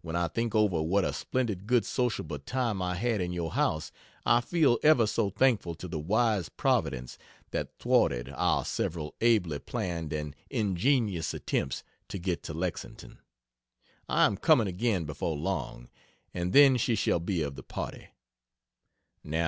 When I think over what a splendid good sociable time I had in your house I feel ever so thankful to the wise providence that thwarted our several ably planned and ingenious attempts to get to Lexington. I am coming again before long, and then she shall be of the party.